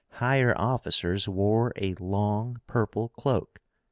Higher officers wore a long purple cloak.